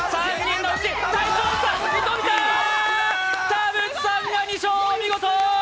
田渕さんが２勝、見事！